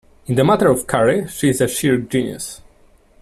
In the matter of curry she is a sheer genius.